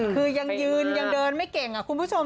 คือยังยืนยังเดินไม่เก่งคุณผู้ชม